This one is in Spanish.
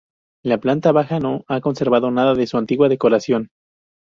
La planta baja no ha conservado nada de su antigua decoración.